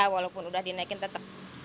ya walaupun sudah dinaikin tetap